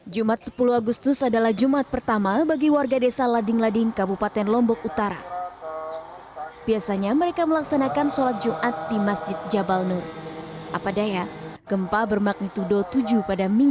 jumat sepuluh agustus adalah jumat pertama bagi warga desa lading lading